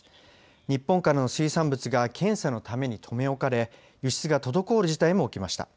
日本からの水産物が検査のために留め置かれ、輸出が滞る事態も起きました。